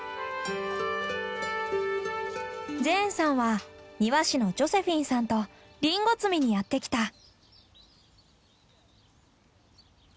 ジェーンさんは庭師のジョセフィンさんとリンゴ摘みにやって来た。